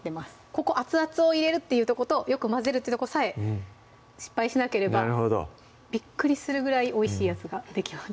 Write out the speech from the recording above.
ここ熱々を入れるっていうとことよく混ぜるっていうとこさえ失敗しなければびっくりするぐらいおいしいやつができます